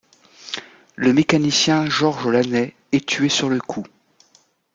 Le mécanicien Georges Lanet est tué sur le coup.